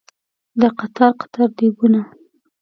دا قطار قطار دیګونه